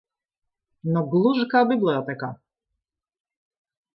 Nu gluži kā bibliotēkā!